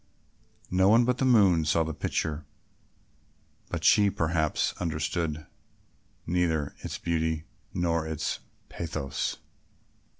No one but the moon saw the picture, but she perhaps understood neither its beauty nor its pathos.